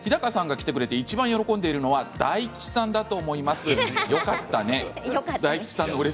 日高さんが来てくれていちばん喜んでいるのは大吉さんだと思います。